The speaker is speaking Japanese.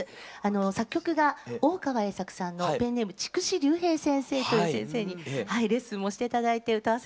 作曲が大川栄策さんのペンネーム筑紫竜平先生という先生にはいレッスンもして頂いて歌わせて頂きます。